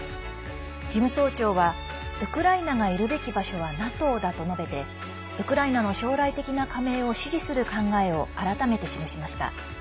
事務総長はウクライナがいるべき場所はＮＡＴＯだと述べてウクライナの将来的な加盟を支持する考えを改めて示しました。